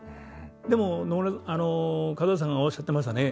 でも門田さんがおっしゃってましたね